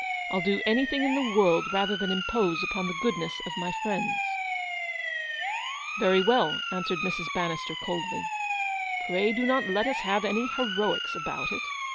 Til do anything in the world rather than impose upon the goodness of my friends." '•'Very well," answered Mrs. Bannister, coldly. " Pray do not let us have any heroics about it.